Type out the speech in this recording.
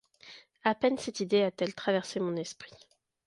À peine cette idée a-t-elle traversé mon esprit